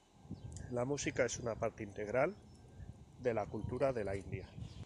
La música es una parte integral de la cultura de la India.